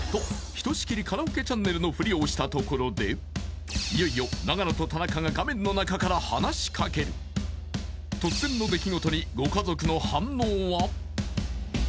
ひとしきりカラオケチャンネルのフリをしたところでいよいよ永野と田中が画面の中から話しかける突然の出来事にご家族の反応は？